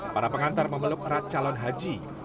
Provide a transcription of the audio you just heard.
para pengantar memeluk erat calon haji